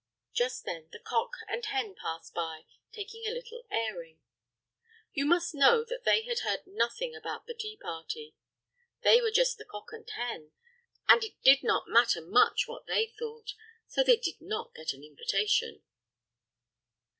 Just then the cock and hen passed by, taking a little airing. You must know that they had heard nothing about the teaparty. They were just the cock and hen, and it did not matter much what they thought; so they did not get an invitation.